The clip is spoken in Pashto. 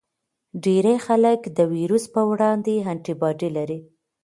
ډیری خلک د ویروس پر وړاندې انټي باډي لري.